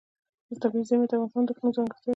طبیعي زیرمې د افغانستان د اقلیم ځانګړتیا ده.